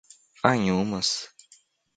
Anhumas